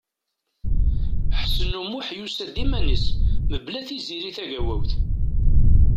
Ḥsen U Muḥ yusa-d iman-is, mebla Tiziri Tagawawt.